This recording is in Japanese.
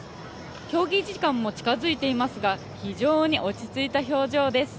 競技時間も近づいていますが、非常に落ち着いた表情です。